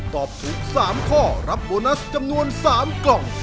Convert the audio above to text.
ตอบถูก๓ข้อรับโบนัสจำนวน๓กล่อง